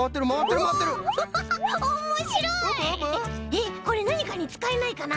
えっこれなにかにつかえないかな？